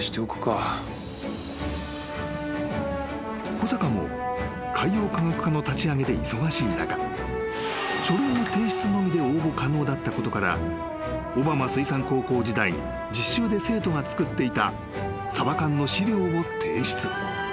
［小坂も海洋科学科の立ち上げで忙しい中書類の提出のみで応募可能だったことから小浜水産高校時代に実習で生徒が作っていたサバ缶の資料を提出］